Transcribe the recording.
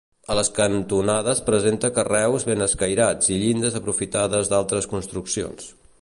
A les cantonades presenta carreus ben escairats i llindes aprofitades d'altres construccions.